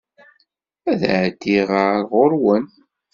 Ad d-ɛeddiɣ ar ɣuṛ-wen.